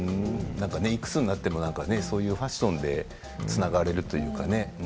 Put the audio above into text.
いくつになってもねファッションでつながれるというかね